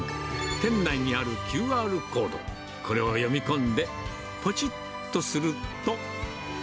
店内にあるＱＲコード、これを読み込んで、ぽちっとすると。